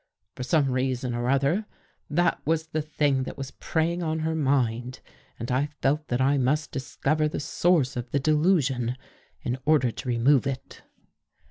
For some reason or other, that was the thing that was prey ing on her mind and I felt that I must discover the source of the delusion in order to remove it.